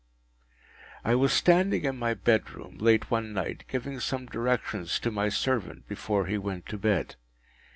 I was standing in my bedroom late one night, giving some directions to my servant before he went to bed.